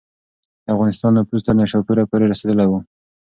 د افغانستان نفوذ تر نیشاپوره پورې رسېدلی و.